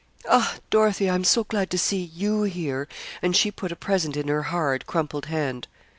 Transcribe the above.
'Ah, Dorothy! I'm so glad to see you here!' and she put a present in her hard, crumpled hand.